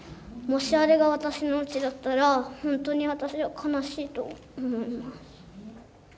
もしあれが私のうちだったら本当に私は悲しいと思います。